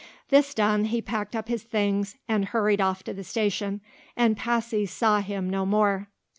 This done, he packed up his things and hurried off to the station, and Passy saw him no more.